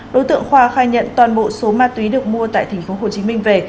đối tượng khoa khai nhận toàn bộ số ma túy được mua tại thành phố hồ chí minh về